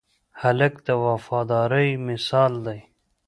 هلک د وفادارۍ مثال دی.